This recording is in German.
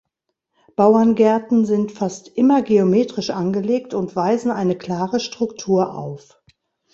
Bauerngärten sind fast immer geometrisch angelegt und weisen eine klare Struktur auf.